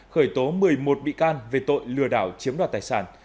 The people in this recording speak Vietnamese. khởi tố một mươi một bị can về tội lừa đảo chiếm đoạt tài sản